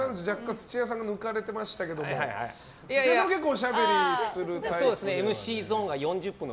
土屋さんが若干抜かれていましたが結構しゃべりをするタイプの。